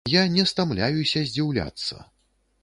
Я не стамляюся здзіўляцца.